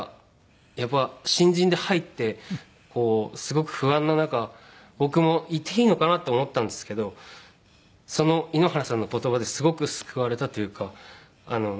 やっぱり新人で入ってすごく不安な中僕もいていいのかな？と思ったんですけどその井ノ原さんの言葉ですごく救われたというか。